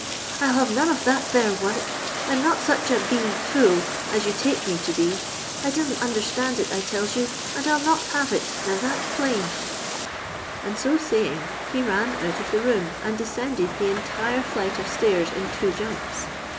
I '11 have none of that there work — I 'm not such a b fool as yon takes me to be — I doesn't understand it, I tells you, and I '11 not have it, now that's plain;" — and so saying he ran out of the room, and descended the entire flight of stairs in two jumps.